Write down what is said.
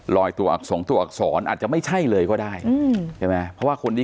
ลอยตัวอักษรส่องตัวอักษรอาจจะไม่ใช่เลยก็ได้เพราะว่าคนที่